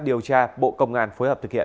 điều tra bộ công an phối hợp thực hiện